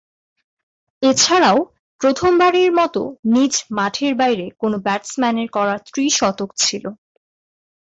এছাড়াও প্রথমবারের মতো নিজ মাঠের বাইরে কোন ব্যাটসম্যানের করা ত্রি-শতক ছিল।